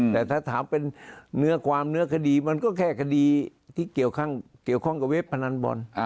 แต่ถ้าถามเป็นเนื้อความเนื้อคดีมันก็แค่คดีที่เกี่ยวข้องกับเว็บพนันบอล